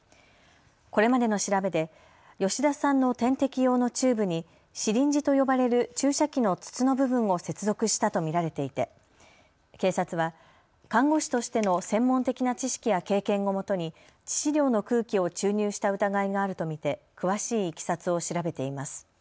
これまでの調べで吉田さんの点滴用のチューブにシリンジと呼ばれる注射器の筒の部分を接続したと見られていて警察は看護師としての専門的な知識や経験をもとに致死量の空気を注入した疑いがあると見て詳しいいきさつを調べています。